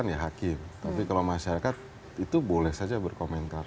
ya hakim tapi kalau masyarakat itu boleh saja berkomentar